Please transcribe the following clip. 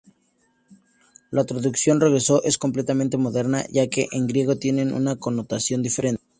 La traducción "regreso" es completamente moderna, ya que en griego tiene una connotación diferente.